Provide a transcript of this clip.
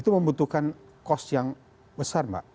itu membutuhkan cost yang besar mbak